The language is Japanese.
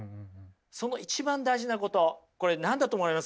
その一番大事なことこれ何だと思われます？